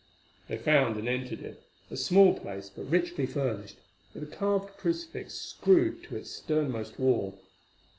They found and entered it, a small place, but richly furnished, with a carved crucifix screwed to its sternmost wall.